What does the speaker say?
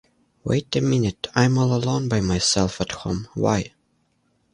Wait a minute, I'm all alone, by myself at home, why?